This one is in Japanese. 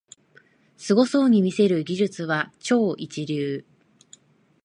すごそうに見せる技術は超一流